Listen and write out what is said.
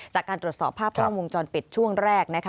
จากการตรวจสอบภาพท่องวงจรปิดช่วงแรก